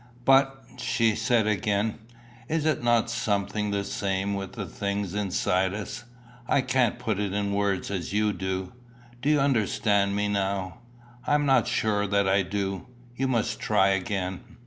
"But," she said again, "is it not something the same with the things inside us? I can't put it in words as you do. Do you understand me now?" "I am not sure that I do. You must try again."